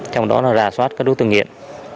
trong đó là rà soát các đối tượng nghiện